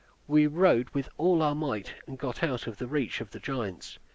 We rowed with all our might, and got out of the reach of the giants.